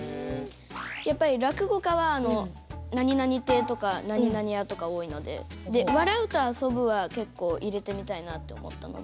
やっぱり落語家はなになに亭とかなになに家とか多いのでで「笑」と「遊」は結構入れてみたいなあって思ったので。